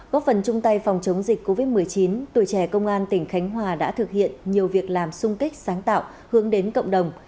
góp phần chung tay phòng chống dịch covid một mươi chín tuổi trẻ công an tỉnh khánh hòa đã thực hiện nhiều việc làm sung kích sáng tạo hướng đến cộng đồng